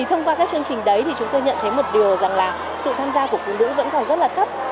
thông qua các chương trình đấy thì chúng tôi nhận thấy một điều rằng là sự tham gia của phụ nữ vẫn còn rất là thấp